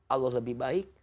allah lebih baik